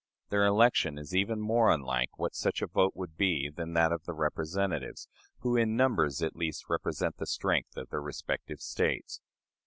Their election is even more unlike what such a vote would be than that of the representatives, who in numbers at least represent the strength of their respective States.